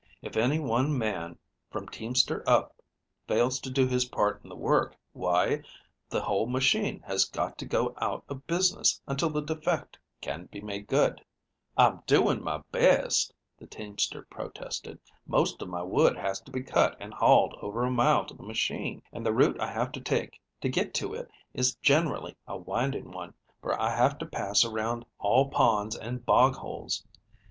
If any one man, from teamster up, fails to do his part in the work, why, the whole machine has got to go out of business until the defect can be made good." "I'm doing my best," the teamster protested. "Most of my wood has to be cut and hauled over a mile to the machine, and the route I have to take to get to it is generally a winding one, for I have to pass around all ponds and bog holes.